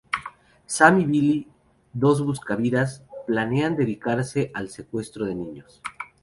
Sam y Bill, dos buscavidas planean dedicarse al secuestro de niños.